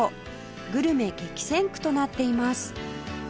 グルメ激戦区となっています